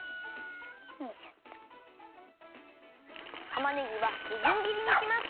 たまねぎはみじんぎりにします。